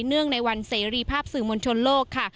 เนื่องในวันเสรีภาพสื่อมนตรชนโลกค่ะ